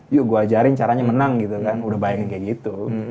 yuk gue ajarin caranya menang gitu kan udah bayang kayak gitu